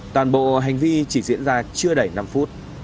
toàn bộ hành vi chỉ diễn ra chưa đầy năm phút